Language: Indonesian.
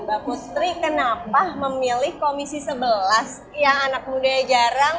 mbak putri kenapa memilih komisi sebelas yang anak mudanya jarang